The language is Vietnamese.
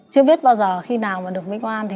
chưa biết bao giờ khi nào mà được mệnh oan